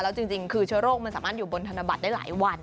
แล้วจริงคือเชื้อโรคมันสามารถอยู่บนธนบัตรได้หลายวัน